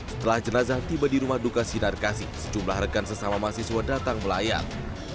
setelah jenazah tiba di rumah duka sinar kasih sejumlah rekan sesama mahasiswa datang melayat